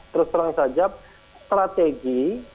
terus terang saja strategi